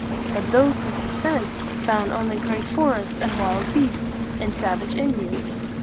But those whom he sent found only great forests, and wild beasts, and sav age In di ans.